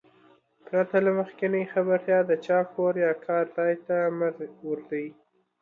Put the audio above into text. پرته له مخکينۍ خبرتيا د چا کور يا کار ځاى ته مه ورځٸ.